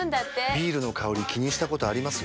ビールの香り気にしたことあります？